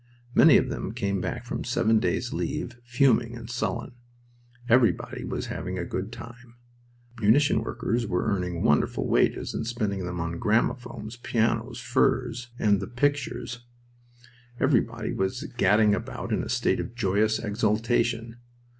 Many of them came back from seven days' leave fuming and sullen. Everybody was having a good time. Munition workers were earning wonderful wages and spending them on gramophones, pianos, furs, and the "pictures." Everybody was gadding about in a state of joyous exultation.